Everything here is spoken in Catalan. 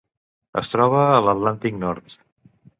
Es troba a l'Atlàntic nord.